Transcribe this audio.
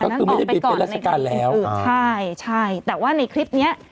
ก็คือไม่ได้ไปก่อนราชการแล้วใช่ใช่แต่ว่าในคลิปเนี้ย